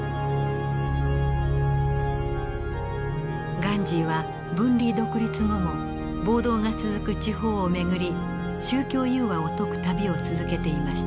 ガンジーは分離独立後も暴動が続く地方を巡り宗教融和を説く旅を続けていました。